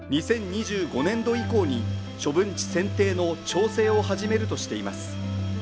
２０２５年度以降に処分地選定の調整を始めるとしています